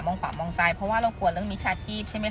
ขวามองซ้ายเพราะว่าเรากลัวเรื่องมิชาชีพใช่ไหมค